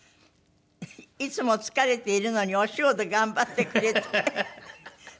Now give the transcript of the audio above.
「いつも疲れているのにお仕事頑張ってくれて尊敬しています」